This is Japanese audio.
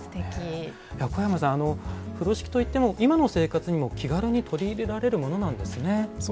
小山さん、風呂敷といっても今の生活にも、気軽に取り入れられるものなんですね。